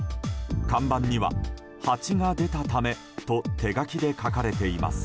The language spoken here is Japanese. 看板には「ハチが出たため」と手書きで書かれていました。